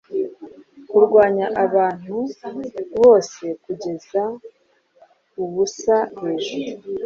kurwanya abantu bosekugeza ubusa hejuru